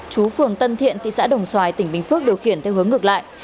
chú phường tân thiện thị xã đồng xoài tỉnh bình phước điều khiển theo hướng ngược lại